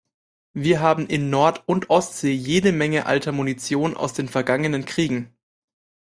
Wir haben in Nord- und Ostsee jede Menge alter Munition aus den vergangenen Kriegen.